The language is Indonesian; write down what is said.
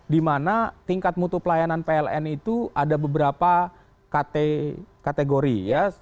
dimana tingkat mutu pelayanan pln itu ada beberapa kategori ya